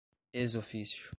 ex officio